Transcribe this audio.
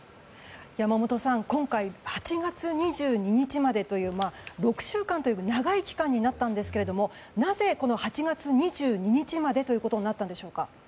山本さん、今回８月２２日までということで６週間という長い期間になったんですが８月２２日までとなったんでしょうか？